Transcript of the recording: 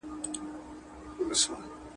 چي پیدا دی له قسمته څخه ژاړي.